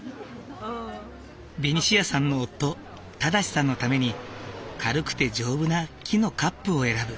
ベニシアさんの夫正さんのために軽くて丈夫な木のカップを選ぶ。